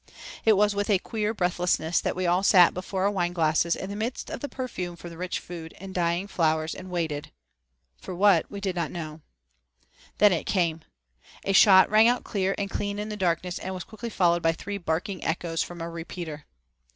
It was with a queer breathlessness that we all sat before our wine glasses in the midst of the perfume from the rich food and dying flowers and waited for what we didn't know. Then it came! A shot rang out clear and clean in the darkness and was quickly followed by three barking echoes from a repeater.